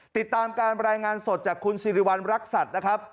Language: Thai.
ติดตามการรายงานสดจากคุณสิริวัณรักษัตริย์นะครับ